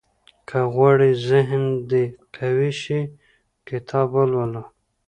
• که غواړې ذهن دې قوي شي، کتاب ولوله.